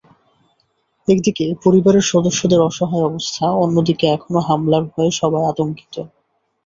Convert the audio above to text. একদিকে পরিবারের সদস্যদের অসহায় অবস্থা, অন্যদিকে এখনো হামলার ভয়ে সবাই আতঙ্কিত।